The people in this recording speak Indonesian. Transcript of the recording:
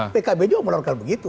pkb juga mengeluarkan begitu